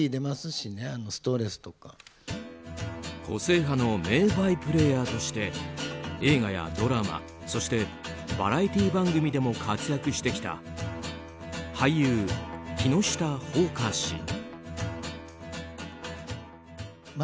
個性派の名バイプレーヤーとして映画やドラマそして、バラエティー番組でも活躍してきた俳優、木下ほうか氏。